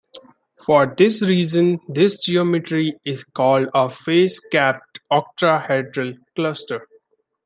For this reason this geometry is called a face capped octahedral cluster.